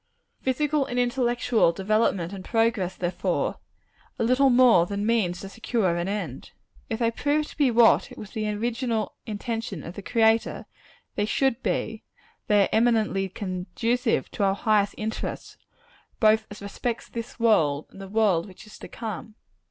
Physical and intellectual development and progress, therefore, are little more than means to secure an end. If they prove to be what it was the original intention of the Creator they should be, they are eminently conducive to our highest interests, both as respects this world and the world which is to come.